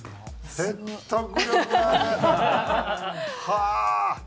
はあ！